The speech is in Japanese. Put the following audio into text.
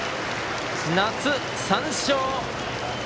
夏、３勝。